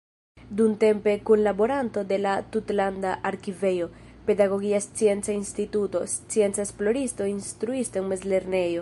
Dumtempe kunlaboranto de la Tutlanda Arkivejo, Pedagogia Scienca Instituto, scienca esploristo, instruisto en mezlernejo.